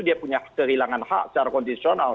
dia punya kehilangan hak secara kondisional